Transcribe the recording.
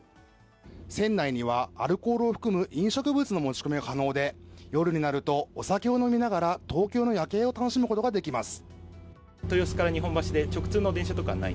船内にはアルコールを含む飲食物の持ち込みが可能で夜になるとお酒を楽しみながら東京の夜景を楽しむことができます。